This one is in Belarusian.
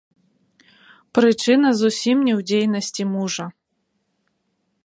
Прычына зусім не ў дзейнасці мужа.